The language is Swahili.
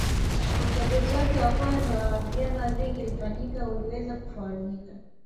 Uchaguzi wake wa kwanza wa vyama vingi ulifanyika uliweza kufanyika